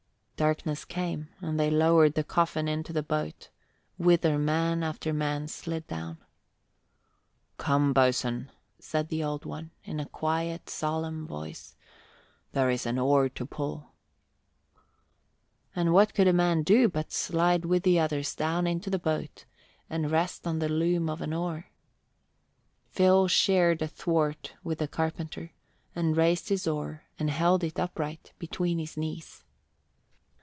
Darkness came and they lowered the coffin into the boat, whither man after man slid down. "Come, boatswain," said the Old One, in a quiet, solemn voice. "There is an oar to pull." And what could a man do but slide with the others down into the boat and rest on the loom of an oar? Phil shared a thwart with the carpenter, and raised his oar and held it upright between his knees.